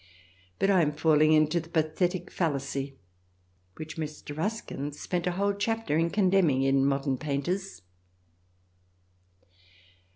But I am falling into the pathetic fallacy which Mr. Ruskin spent a whole chapter in condemn ing in " Modern Painters."